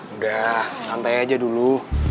udah santai aja dulu